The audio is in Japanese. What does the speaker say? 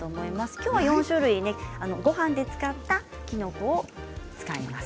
きょうは４種類ごはんで使ったきのこを使います。